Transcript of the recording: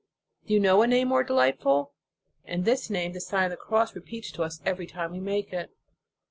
Do you know a name more delightful? And this name the Sign of the Cross repeats to us every time we make it.